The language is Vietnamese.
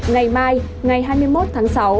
ngày mai ngày hai mươi một tháng sáu